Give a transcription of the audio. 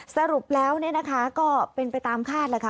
สรุปแล้วเนี่ยนะคะก็เป็นไปตามคาดแหละค่ะ